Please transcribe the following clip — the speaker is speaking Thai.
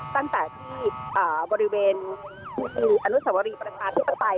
ตั้งแต่ที่บริเวณอนุสวรีประกาศที่จะไป